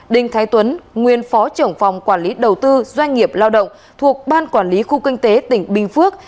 đinh thái tuấn nguyên phó trưởng phòng quản lý đầu tư doanh nghiệp lao động thuộc ban quản lý khu kinh tế tỉnh bình phước